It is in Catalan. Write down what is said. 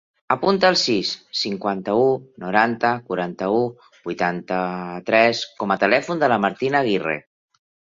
Apunta el sis, cinquanta-u, noranta, quaranta-u, vuitanta-tres com a telèfon de la Martina Agirre.